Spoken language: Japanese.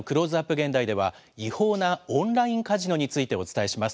現代では違法なオンラインカジノについてお伝えします。